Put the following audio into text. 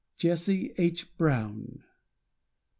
Jessie H. Brown.